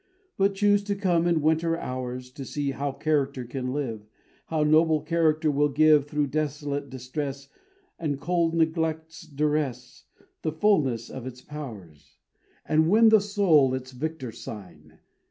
But choose to come in winter hours To see how character can live, How noble character will give Through desolate distress And cold neglect's duress, The fulness of its powers And win the soul its victor sign.